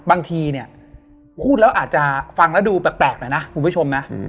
บางทีเนี่ยพูดแล้วอาจจะฟังแล้วดูแปลกหน่อยนะคุณผู้ชมนะ